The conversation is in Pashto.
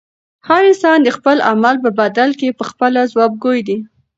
هر انسان د خپل عمل په بدل کې پخپله ځوابګوی دی.